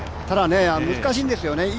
ただ、難しいんですよね